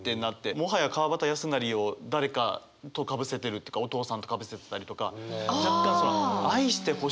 もはや川端康成を誰かとかぶせてるというかお父さんとかぶせてたりとか若干確かに。